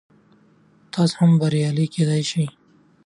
تاسو هم بریالی کیدلی شئ.